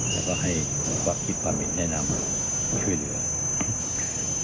แล้วก็ให้ความคิดความเห็นแนะนำช่วยเหลือ